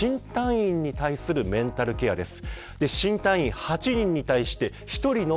まずは、新隊員に対するメンタルケアです。